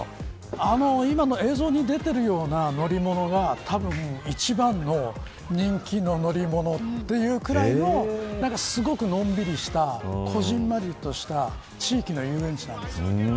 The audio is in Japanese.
今の映像に出ているような乗り物はたぶん一番の人気の乗り物というくらいのすごくのんびりしたこぢんまりとした地域の遊園地なんです。